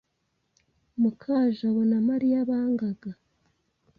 Mukajabo na Mariya bangaga.